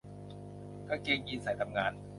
กางเกงยีนส์ใส่ทำงาน